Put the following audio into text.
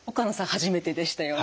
初めてでしたよね。